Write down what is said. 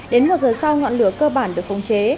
đến một giờ sau ngọn lửa cơ bản được khống chế